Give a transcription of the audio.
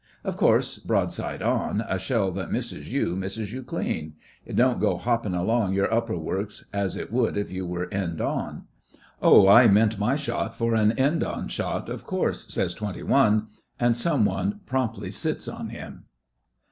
Of course, broadside on, a shell that misses you misses you clean. It don't go hopping along your upper works as it would if you were end on.' 'Oh, I meant my shot for an end on shot, of course,' says Twenty one; and some one promptly sits on him.